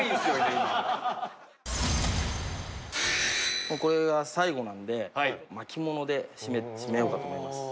今これが最後なんで巻物でシメようかと思います